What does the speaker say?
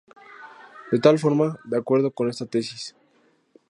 De tal forma, de acuerdo con esta tesis